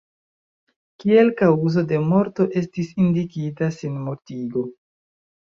Kiel kaŭzo de morto estis indikita sinmortigo.